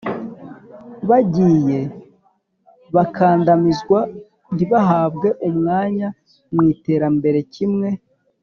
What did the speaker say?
bagiye bakandamizwa, ntibahabwe umwanya mu iterambere kimwe